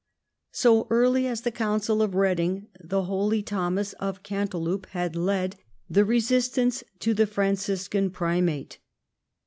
So early as the Council of Reading the holy Thomas of Cantilupe had led the resistance to the Franciscan primate.